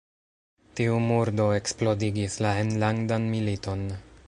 Tiu murdo eksplodigis la enlandan militon.